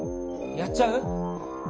やっちゃう？